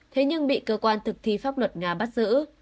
thế nhưng bị cơ quan thực thi pháp luật nga bắt giữ